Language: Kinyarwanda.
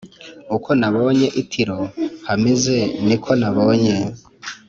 Uko nabonye i tiro hameze ni ko nabonye